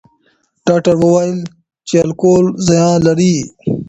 ډاکټر وویل چې الکول زیان لري.